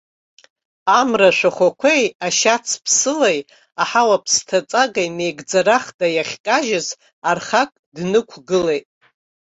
Амра ашәахәақәеи, ашьац ԥсылеи, аҳауа ԥсҭаҵагеи меигӡарахда иахькажьыз архак днықәгылеит.